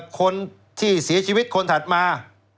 คนที่เสียชีวิตคนถัดมา